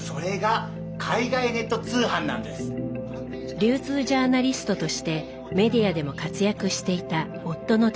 流通ジャーナリストとしてメディアでも活躍していた夫の哲雄さん。